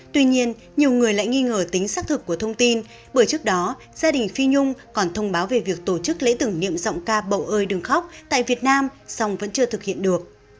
tuy nhiên nhiều người lại nghi ngờ tính xác thực của thông tin bởi trước đó gia đình phi nhung còn thông báo về việc tổ chức lễ tưởng niệm giọng ca bầu ơi đường khóc tại việt nam song vẫn chưa thực hiện được